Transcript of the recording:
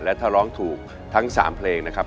และถ้าร้องถูกทั้ง๓เพลงนะครับ